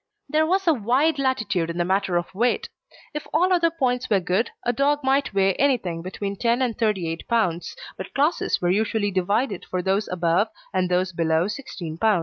There was a wide latitude in the matter of weight. If all other points were good, a dog might weigh anything between 10 and 38 lbs., but classes were usually divided for those above and those below 16 lb.